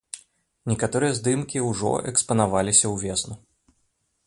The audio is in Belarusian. Некаторыя здымкі ўжо экспанаваліся ўвесну.